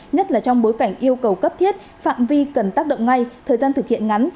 nhất là trong bối cảnh yêu cầu cấp thiết phạm vi cần tác động ngay thời gian thực hiện ngắn